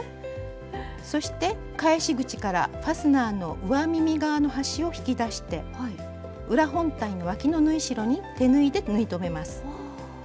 そして返し口からファスナーの上耳側の端を引き出して裏本体のわきの縫い代に手縫いで縫い留めます。